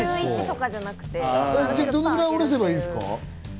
どれぐらい下せばいいですか？